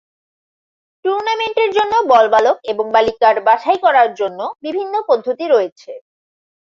টুর্নামেন্টের জন্য বল বালক এবং বালিকার বাছাই করার জন্য বিভিন্ন পদ্ধতি রয়েছে।